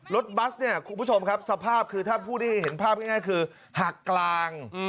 รถบัสสภาพคือถ้าผู้ได้เห็นภาพง่ายคือหักกลาง